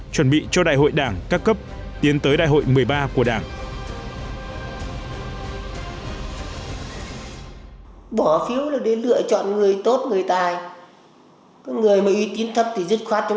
chuẩn bị cho đại hội đảng các cấp tiến tới đại hội một mươi ba của đảng